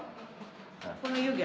この湯気。